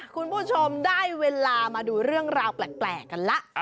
คุณผู้ชมได้เวลามาดูเรื่องราวแปลกกันแล้ว